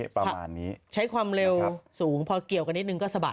ประมาณนี้ใช้ความเร็วสูงพอเกี่ยวกันนิดนึงก็สะบัด